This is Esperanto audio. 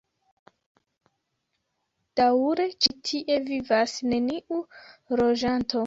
Daŭre ĉi tie vivas neniu loĝanto.